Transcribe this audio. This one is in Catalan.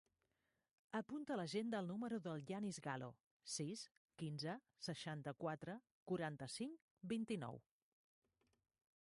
Apunta a l'agenda el número del Yanis Gallo: sis, quinze, seixanta-quatre, quaranta-cinc, vint-i-nou.